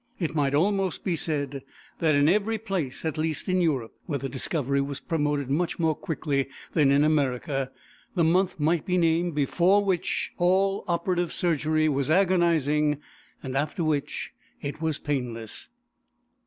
It might almost be said that in every place, at least in Europe, where the discovery was promoted more quickly than in America, the month might be named before which all operative surgery was agonizing, and after which it was painless.